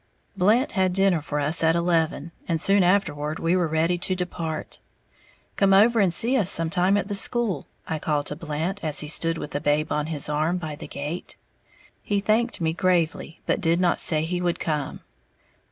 Blant had dinner for us at eleven, and soon afterward we were ready to depart. "Come over and see us sometime at the school," I called to Blant, as he stood with the babe on his arm by the gate. He thanked me gravely, but did not say he would come.